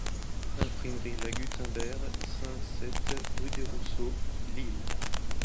Imprimerie LA GUTENBERG, cinq-sept rue Desrousseaux, Lille.